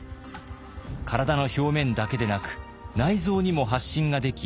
体の表面だけでなく内臓にも発疹ができ